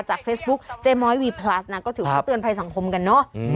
เฟซบุ๊คเจม้อยวีพลัสนะก็ถือว่าเตือนภัยสังคมกันเนอะ